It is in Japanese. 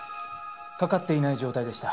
掛かっていない状態でした。